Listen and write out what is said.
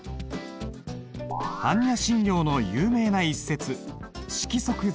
般若心経の有名な一節「色即是空」。